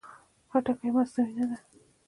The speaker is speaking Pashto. خټکی مصنوعي نه ده.